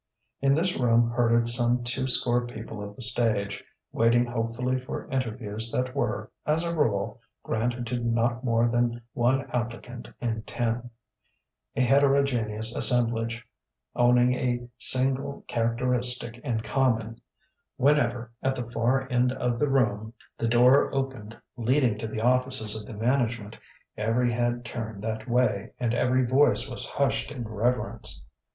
In this room herded some two score people of the stage, waiting hopefully for interviews that were, as a rule, granted to not more than one applicant in ten: a heterogeneous assemblage, owning a single characteristic in common: whenever, at the far end of the room, the door opened leading to the offices of the management, every head turned that way, and every voice was hushed in reverence.